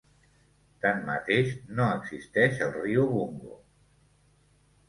Tanmateix, no existeix el riu Bungo.